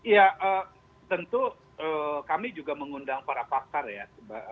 ya tentu kami juga mengundang para pakar ya